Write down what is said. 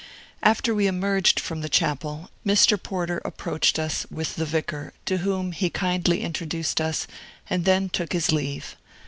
After we emerged from the chapel, Mr. Porter approached us with the vicar, to whom he kindly introduced us, and then took his leave.